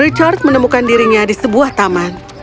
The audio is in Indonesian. richard menemukan dirinya di sebuah taman